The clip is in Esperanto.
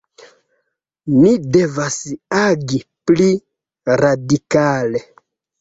Ni devas agi pli radikale.